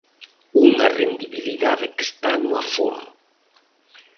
Unha rendibilidade que está no aforro.